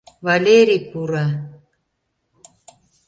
Валерий пура.